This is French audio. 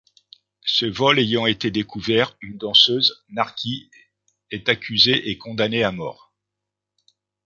Ce vol ayant été découvert, une danseuse, Narki, est accusée et condamnée à mort.